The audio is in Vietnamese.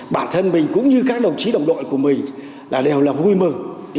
bản thân mình cũng như các đồng chí đồng đội của mình là đều là vui mừng